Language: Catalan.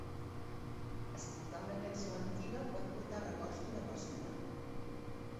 Escoltar una cançó antiga pot portar records d'una persona.